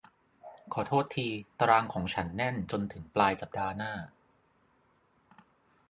ขอโทษที ตารางของฉันแน่นจนถึงปลายสัปดาห์หน้า